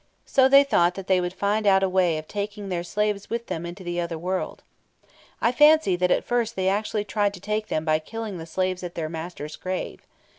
So they thought that they would find out a way of taking their slaves with them into the other world. I fancy that at first they actually tried to take them by killing the slaves at their master's grave.